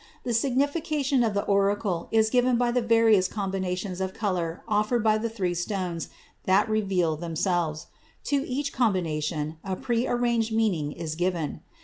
The signification of the oracle is given by the various combinations of color offered by the three stones that reveal themselves; to each combination a prearranged meaning is given.